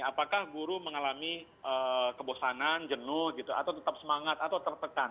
apakah guru mengalami kebosanan jenuh gitu atau tetap semangat atau tertekan